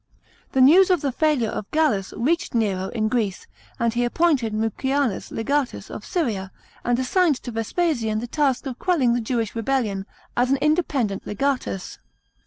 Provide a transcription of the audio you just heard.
The news of the failure of Gallus reached Nero in Greece, and he appointed Mncianus le^atus of Syria, and assigned to Vespasian the task of quelling the Jewish rebellion, as an independent le^atus.